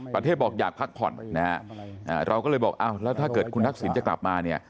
ประเทศบอกอยากพักผ่อนนะฮะเราก็เลยบอกอ้าวแล้วถ้าเกิดคุณทักษิณจะกลับมาเนี่ย